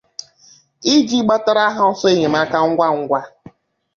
iji gbatara ha ọsọ enyemaka ngwangwa.